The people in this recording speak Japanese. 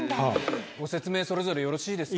ご説明それぞれよろしいですか？